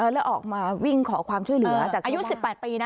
แล้วออกมาวิ่งขอความช่วยเหลือจากอายุ๑๘ปีนะ